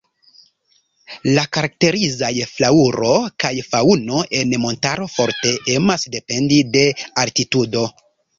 La karakterizaj flaŭro kaj faŭno en la montaro forte emas dependi de la altitudo.